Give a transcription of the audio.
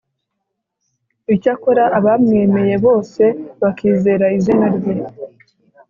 Icyakora abamwemeye bose, bakizera izina rye,